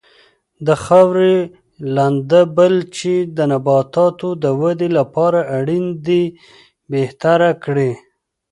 د خاورې لنده بل چې د نباتاتو د ودې لپاره اړین دی بهتره کړي.